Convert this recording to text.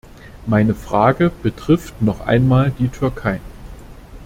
Meine Frage betrifft noch einmal die Türkei.